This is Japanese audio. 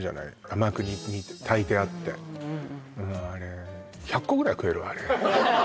甘く炊いてあってあれ１００個ぐらい食えるわあれ